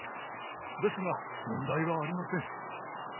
ですが問題はありません。